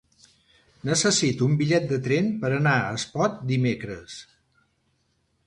Necessito un bitllet de tren per anar a Espot dimecres.